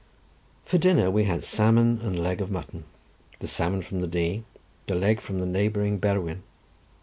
For dinner we had salmon and leg of mutton; the salmon from the Dee, the leg from the neighbouring Berwyn.